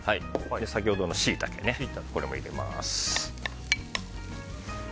先ほどのシイタケも入れます。